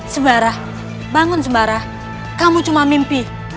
sembara bangun sembara kamu cuma mimpi